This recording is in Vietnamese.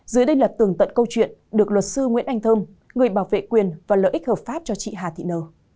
dưới đây là tường tận câu chuyện được luật sư nguyễn anh thơm người bảo vệ quyền và lợi ích hợp pháp cho chị hà thị nờ